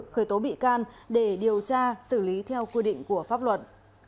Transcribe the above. khởi tố bị can để điều tra xử lý theo quy định của pháp luật